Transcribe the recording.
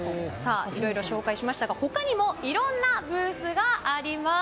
いろいろ紹介しましたが他にもいろんなブースがあります。